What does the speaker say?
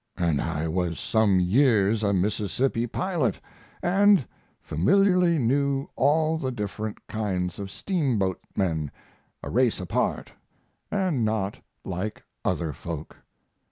And I was some years a Mississippi pilot, and familiarly knew all the different kinds of steamboatmen a race apart, and not like other folk.